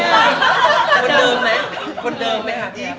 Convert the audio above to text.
คนเดิมไหมค่ะ